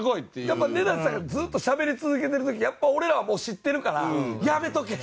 やっぱ根建さんがずっとしゃべり続けてる時やっぱ俺らはもう知ってるからやめとけ！